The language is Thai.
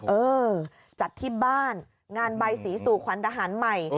เออจัดที่บ้านงานใบสีสู่ขวัญทหารใหม่